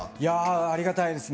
ありがたいですね。